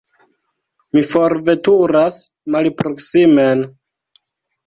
Mi forveturas malproksimen.